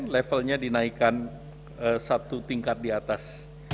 levelnya dinaikkan satu tingkat di atas